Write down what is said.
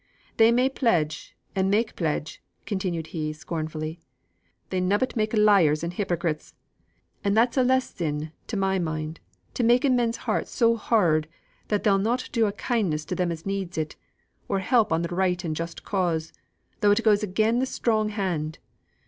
They may pledge and make pledge," continued he, scornfully; "they nobbut make liars and hypocrites. And that's a less sin, to my mind, to make men's hearts so hard that they'll not do a kindness to them as needs it, or help on the right and just cause, though it goes again the strong hand.